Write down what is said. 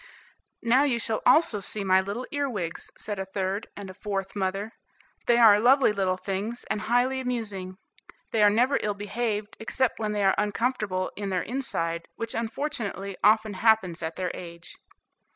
"Now you shall also see my little earwigs," said a third and a fourth mother, "they are lovely little things, and highly amusing. They are never ill behaved, except when they are uncomfortable in their inside, which unfortunately often happens at their age."